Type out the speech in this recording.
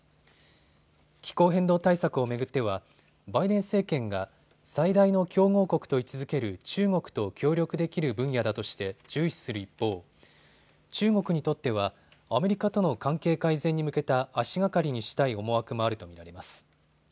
気候変動対策を巡ってはバイデン政権が最大の競合国と位置づける中国と協力できる分野だとして重視する一方、中国にとってはアメリカとの関係改善に向けた足がかりにしたい思惑もあると見られます。